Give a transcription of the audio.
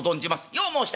「よう申した。